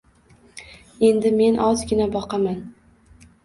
Endi men ozgina boqaman